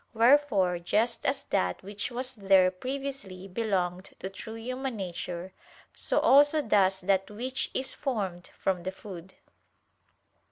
Wherefore just as that which was there previously belonged to true human nature, so also does that which is formed from the food.